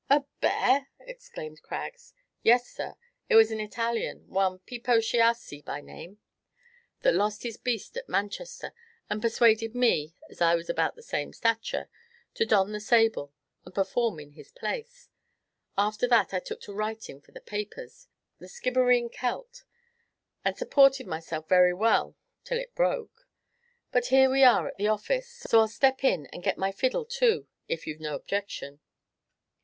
"A bear!" exclaimed Craggs. "Yes, sir. It was an Italian one Pipo Chiassi by name that lost his beast at Manchester, and persuaded me, as I was about the same stature, to don the sable, and perform in his place. After that I took to writin' for the papers 'The Skibbereen Celt' and supported myself very well till it broke. But here we are at the office, so I 'll step in, and get my fiddle, too, if you 've no objection."